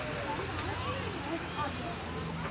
สวัสดีครับทุกคน